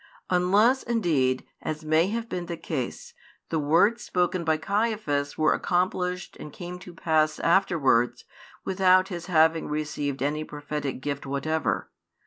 Unless indeed, as may have been the case, the words spoken by Caiaphas were accomplished and came to pass afterwards, without his having received any prophetic gift whatever.